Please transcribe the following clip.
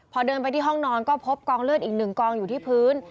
พอเดินไปที่ห้องนอนก็พบกองเลือดอีกหนึ่งกองอยู่ที่พื้น